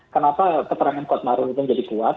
kenapa keterangan kuat maruf itu menjadi kuat